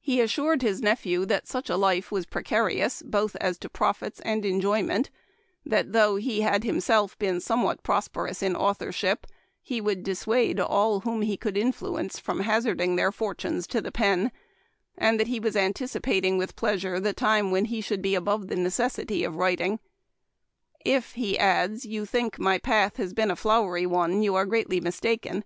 He assured his nephew that such a life was precarious both as to profits and enjoy ment that though he had himself been some what prosperous in authorship, he would dissuade all whom he could influence from hazarding their fortunes to the pen, and that he was anticipating with pleasure the time when he should be above the necessity of writing. " If," he adds, " you think my path has been a flowery one you are greatly mistaken.